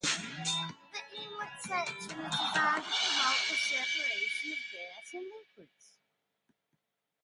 The inlet section is designed to promote the separation of gas and liquids.